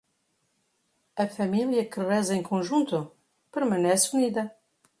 A família que reza em conjunto? permanece unida.